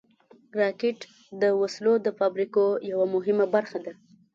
راکټ د وسلو د فابریکو یوه مهمه برخه ده